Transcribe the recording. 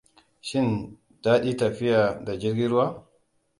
Shin dadi tafiya da jirgi ruwa?